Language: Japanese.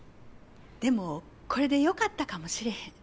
でもこれで良かったかもしれへん。